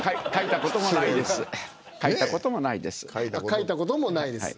書いたこともないです。